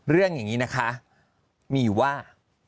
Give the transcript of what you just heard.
เรื่องอย่างนี้นะคะมีว่า